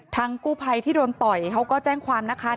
กู้ภัยที่โดนต่อยเขาก็แจ้งความนะคะ